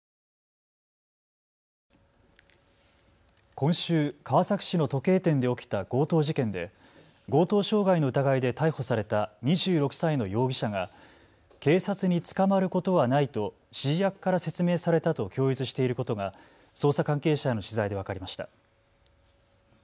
今週、川崎市の時計店で起きた強盗事件で強盗傷害の疑いで逮捕された２６歳の容疑者が警察に捕まることはないと指示役から説明されたと供述していることが捜査関係者への取材で分かりました。